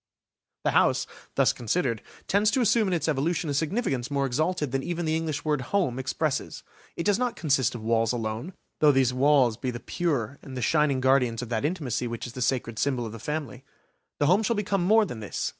The house, thus considered, tends to assume in its evolution a significance more exalted than even the English word "home" expresses. It does not consist of walls alone, though these walls be the pure and shining guardians of that intimacy which is the sacred symbol of the family. The home shall become more than this.